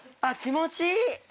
あ気持ちいい。